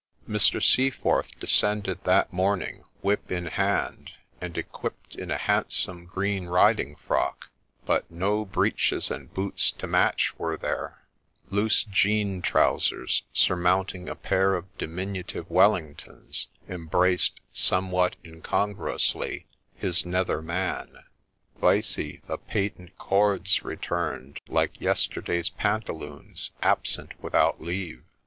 Mr. Seaforth descended that morning, whip in hand, and equipped in a handsome green riding frock, but no ' breeches and boots to match ' were there : loose jean trousers, surmount ing a pair of diminutive Wellingtons, embraced, somewhat in congruously, his nether man, vice the ' patent cords,' returned, like yesterday's pantaloons, absent without leave.